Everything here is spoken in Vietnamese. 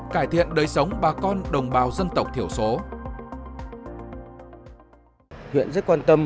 cải thiện đời sống bà con đồng bào dân tộc thiểu số